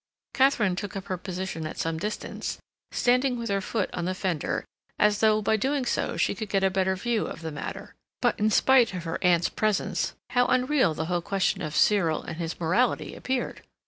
Katharine took up her position at some distance, standing with her foot on the fender, as though by so doing she could get a better view of the matter. But, in spite of her aunt's presence, how unreal the whole question of Cyril and his morality appeared!